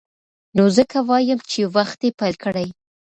نو ځکه وایم چې وختي پیل کړئ.